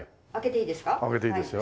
開けていいですか？